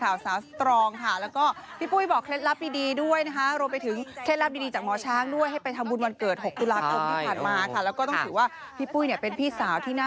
อ่าเนี่ยล่ะเป็นเซอร์ไพรส์วันเกิดอบอุ่นค่ะคุณผู้ชม